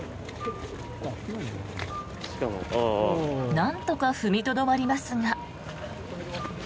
なんとか踏みとどまりますが。